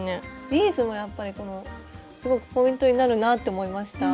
ビーズもやっぱりすごくポイントになるなって思いました。